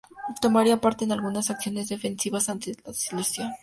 Tomaría parte en algunas acciones defensivas, antes de su disolución.